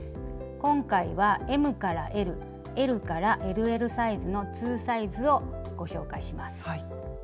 今回はＭＬＬＬＬサイズの２サイズをご紹介します。